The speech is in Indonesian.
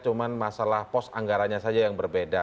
cuma masalah pos anggaranya saja yang berbeda